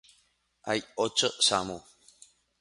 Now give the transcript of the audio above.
Hay ocho Samu.